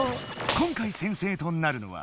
今回先生となるのは。